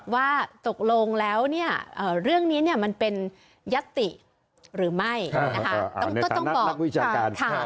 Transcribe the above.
ว่าตกลงแล้วเรื่องนี้เนี่ยมันเป็นยัตติหรือไม่นะคะ